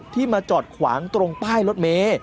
มาจอดขวางตรงป้ายรถเม